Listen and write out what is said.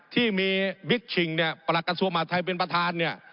ที่มีบิ๊กชิงเนี่ยประกัสส่วมอาทัยเป็นประธานเนี่ย